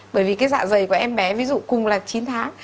bởi vì cái dạ dày của em bé ví dụ cùng là chín tháng